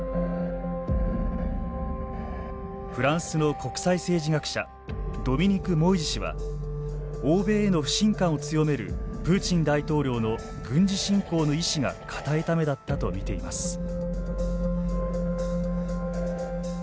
フランスの国際政治学者ドミニク・モイジ氏は欧米への不信感を強めるプーチン大統領の軍事侵攻の意志が固いためだったとみています。